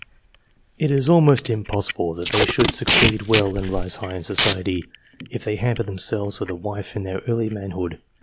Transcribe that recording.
It is almost impossible that they should succeed well and rise high in society, if they hamper themselves with a wife in in their early manhood.